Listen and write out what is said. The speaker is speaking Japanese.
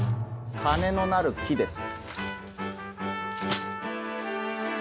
金のなる木です。